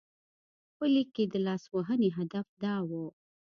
په لیک کې د لاسوهنې هدف دا و.